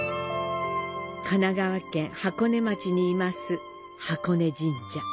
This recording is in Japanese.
神奈川県箱根町に坐す、箱根神社。